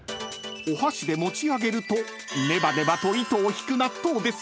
［お箸で持ち上げるとネバネバと糸を引く］